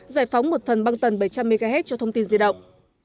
giải phóng một phần băng tần bảy trăm linh mhz cho thông tin di động